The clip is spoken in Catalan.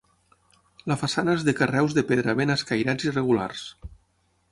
La façana és de carreus de pedra ben escairats i regulars.